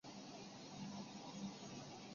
括认知治疗。